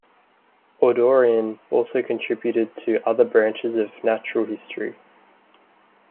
Audouin also contributed to other branches of natural history.